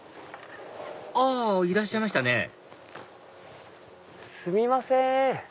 あいらっしゃいましたねすみません。